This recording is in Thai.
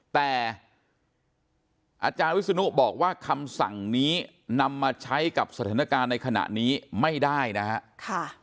แต่อาจารย์วิศนุบอกว่าคำสั่งนี้นำมาใช้กับสถานการณ์ในขณะนี้ไม่ได้นะครับ